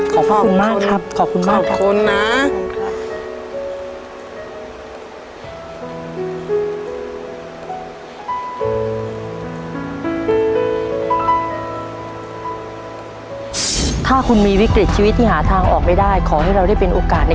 ขอบคุณมากครับ